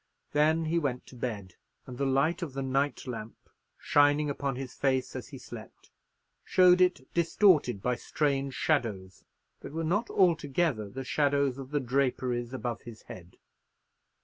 Then he went to bed; and the light of the night lamp shining upon his face as he slept, showed it distorted by strange shadows, that were not altogether the shadows of the draperies above his head.